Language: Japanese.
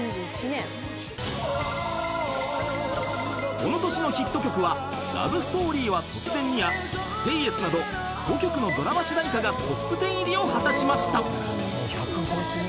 ［この年のヒット曲は『ラブ・ストーリーは突然に』や『ＳＡＹＹＥＳ』など５曲のドラマ主題歌がトップ１０入りを果たしました］